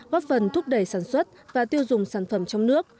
góp phần thúc đẩy sản xuất và tiêu dùng sản phẩm trong nước